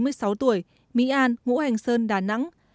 mỹ an ngũ hành sơn đà nẵng